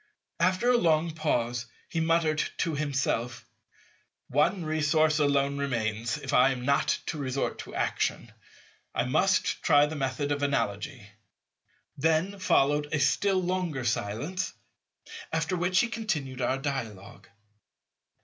After a long pause he muttered to himself, "One resource alone remains, if I am not to resort to action. I must try the method of Analogy." Then followed a still longer silence, after which he continued our dialogue.